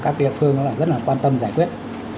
các địa phương rất là quan tâm giải quyết